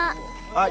はい。